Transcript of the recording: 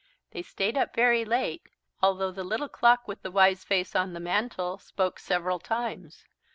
They stayed up very late, although the Little Clock with the Wise Face on the Mantle spoke several times.